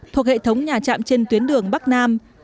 thuộc hệ thống nhà trạm trên tuyến đường bắc nam